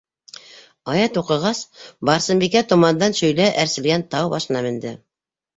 Аят уҡығас, Барсынбикә томандан шөйлә әрселгән тау башына менде.